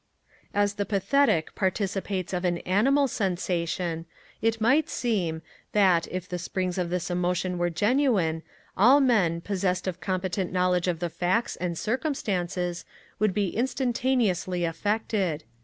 As the pathetic participates of an animal sensation, it might seem that, if the springs of this emotion were genuine, all men, possessed of competent knowledge of the facts and circumstances, would be instantaneously affected.